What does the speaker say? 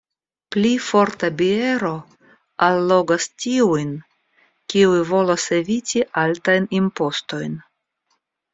Pli forta biero allogas tiujn, kiuj volas eviti altajn impostojn.